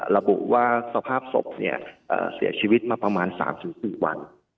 ระบุว่าสภาพศพเสียชีวิตมาประมาณ๓๔วัน